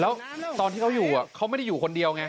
แล้วตอนที่เขาอยู่เขาไม่ได้อยู่คนเดียวไง